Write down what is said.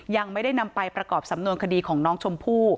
ยังไม่ได้นำไปประกอบสำนวนคดีของน้องชมพู่